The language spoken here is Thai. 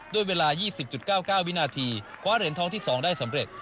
ด้วยเวลา๒๐๙๙วินาทีคว้าเหรียญทองที่๒ได้สำเร็จ